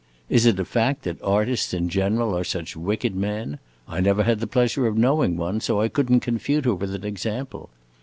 Is it a fact that artists, in general, are such wicked men? I never had the pleasure of knowing one, so I could n't confute her with an example.